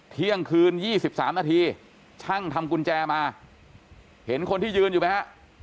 เที่ยงคืน๒๓นาทีช่างทำกุญแจมาเห็นคนที่ยืนอยู่ไหมฮะ